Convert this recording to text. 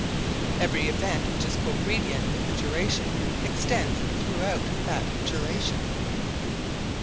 Every event which is cogredient with a duration extends throughout that duration.